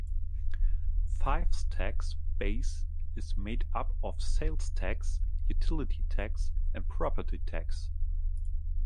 Fife's tax base is made up of sales tax, utility tax, and property tax.